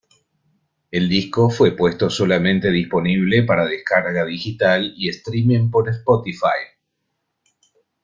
El disco fue puesto solamente disponible para descarga digital y streaming por Spotify.